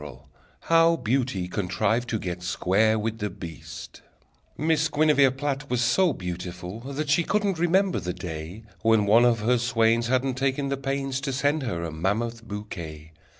_] How Beauty Contrived to Get Square with the Beast Miss Guinevere Platt Was so beautiful that She couldn't remember the day When one of her swains Hadn't taken the pains To send her a mammoth bouquet.